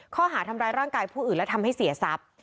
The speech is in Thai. ข้อหาทำร้ายร่างกายผู้อื่นและทำให้เสียทรัพย์